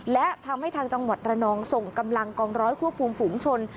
และทำให้ทางจังหวัดระนองส่งกำลังกองร้อยควบคุมฝูงชน